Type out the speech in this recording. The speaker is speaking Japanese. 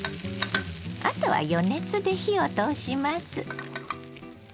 あとは余熱で火を通します。